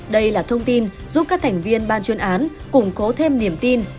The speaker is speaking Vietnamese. đây là thông tin giúp các thành viên ban chuyên án củng cố thêm niềm tin